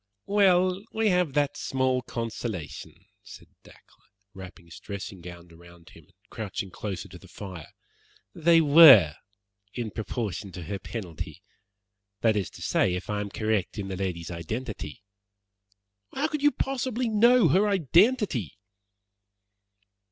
"Well, we have that small consolation," said Dacre, wrapping his dressing gown round him and crouching closer to the fire. "They WERE in proportion to her penalty. That is to say, if I am correct in the lady's identity." "How could you possibly know her identity?"